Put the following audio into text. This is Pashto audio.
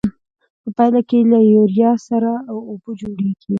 په پایله کې له یوریا سره او اوبه جوړیږي.